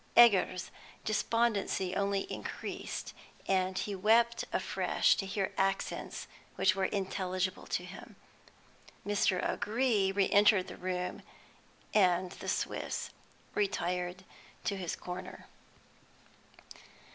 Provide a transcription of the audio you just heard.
Egger's despondency only increased, and he wept afresh to hear accents which were intelligible to him. Mr. O'Gree re entered the room, and the Swiss retired to his corner.